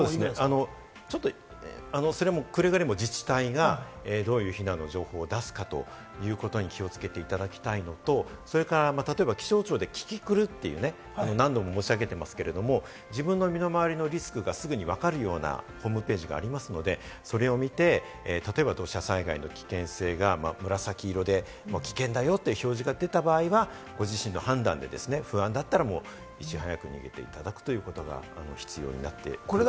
それも、くれぐれも自治体がどういう避難の情報を出すかということに気をつけていただきたいのと、それから例えば気象庁でキキクルという、何度も申し上げてますけれども、自分の身の回りのリスクが分かるようなホームページがありますので、それを見て、例えば土砂災害の危険性が紫色で危険だよと表示が出た場合は、ご自身の判断で不安だったら、いち早く逃げていただくということが必要になってくると思いますね。